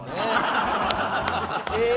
ええ！